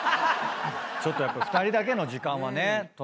ちょっとやっぱ２人だけの時間はね取らないと。